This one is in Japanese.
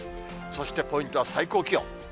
そしてポイントは最高気温。